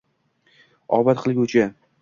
Obod qilguvchi.